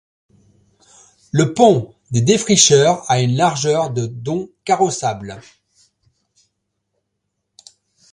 Le pont des Défricheurs a une largeur de dont carrossable.